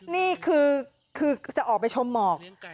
นี่คือจะออกไปชมหมอก